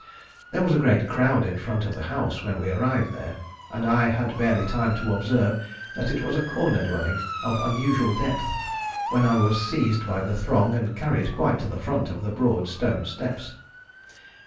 There was a great crowd in front of the house when we arrived there, and I had barely time to observe that it was a corner dwelling of unusual depth when I was seized by the throng and carried quite to the foot of the broad stone steps.